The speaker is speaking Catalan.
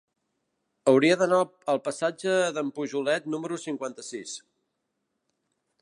Hauria d'anar al passatge d'en Pujolet número cinquanta-sis.